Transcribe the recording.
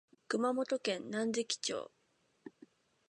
熊本県南関町